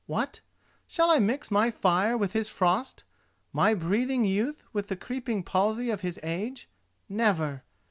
What! shall I mix my fire with his frost, my breathing youth with the creeping palsy of his age? Never!